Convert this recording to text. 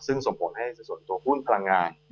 ซึ่งสมผลให้ในส่วนช่วงตัวหุ้นพลังงาน